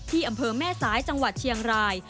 อำเภอแม่สายจังหวัดเชียงราย